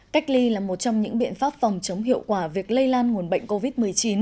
cách ly là một trong những biện pháp phòng chống hiệu quả việc lây lan nguồn bệnh covid một mươi chín